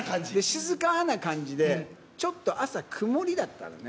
静かーな感じで、ちょっと朝、曇りだったのね。